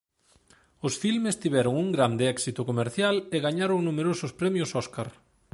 Os filmes tiveron un grande éxito comercial e gañaron numerosos premios Óscar.